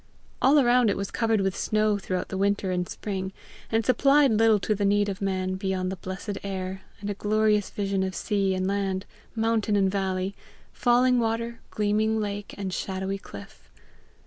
All around it was covered with snow throughout the winter and spring, and supplied little to the need of man beyond the blessed air, and a glorious vision of sea and land, mountain and valley, falling water, gleaming lake, and shadowy cliff.